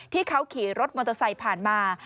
ที่เขาขี่รถมอเตอร์ไซค์ผ่านมา